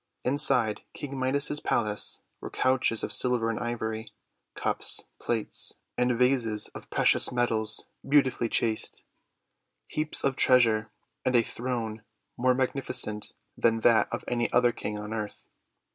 Inside King Midas's palace were couches of silver and ivory; cups, plates, and vases of precious metals beautifully chased; heaps of treasure; and a throne more magnificent than that of any other King on earth.